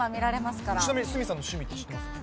ちなみに鷲見さんの趣味って知ってますか？